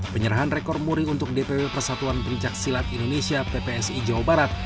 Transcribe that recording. penyerahan rekor muri untuk dpw persatuan pencaksilat indonesia ppsi jawa barat